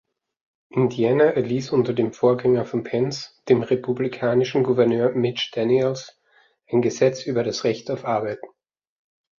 Indiana erließ unter dem Vorgänger von Pence, dem republikanischen Gouverneur Mitch Daniels, ein Gesetz über das Recht auf Arbeit.